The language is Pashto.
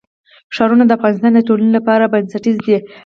ښارونه د افغانستان د ټولنې لپاره بنسټیز دي.